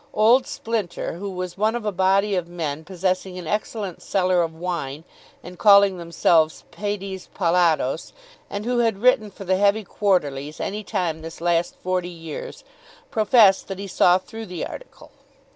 Old Splinter, who was one of a body of men possessing an excellent cellar of wine and calling themselves Paides Pallados, and who had written for the heavy quarterlies any time this last forty years, professed that he saw through the article.